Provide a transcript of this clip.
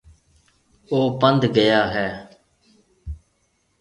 او پنڌ گيا هيَ۔